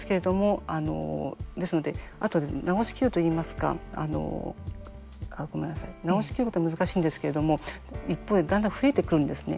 ですので、あと治しきるといいますか治しきることは難しいんですけれども一方でだんだん増えてくるんですね。